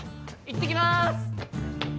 いってきます！